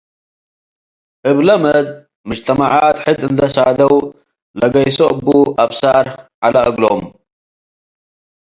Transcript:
እብ ለመድ ምጅተማዐት ሕድ እንዴ ሰደው ለገይሶ እቡ አብሳር ዐለ እግሎም ።